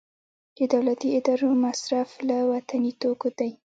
د دولتي ادارو مصرف له وطني توکو دی